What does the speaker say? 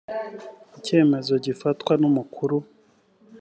icyemezo gifatwa numukuru .